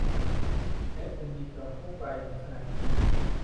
ไพ่คุณดีเกือบทุกใบขนาดนี้